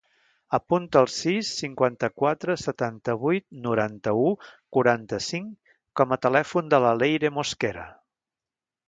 Apunta el sis, cinquanta-quatre, setanta-vuit, noranta-u, quaranta-cinc com a telèfon de la Leyre Mosquera.